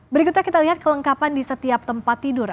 berikutnya kita lihat kelengkapan di setiap tempat tidur